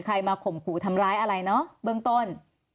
ใครมาข่มขู่ทำร้ายอะไรเนอะเบื้องต้น